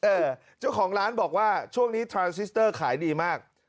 เจ้าของร้านบอกว่าช่วงนี้ทรานซิสเตอร์ขายดีมาก